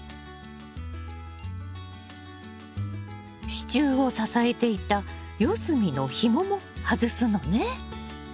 支柱を支えていた四隅のひもも外すのね。